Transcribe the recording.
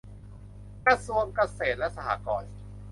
กระทรวงเกษตรและสหกรณ์